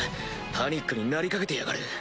パニックになりかけてやがる。